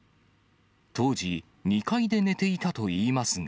当時、２階で寝ていたといいますが。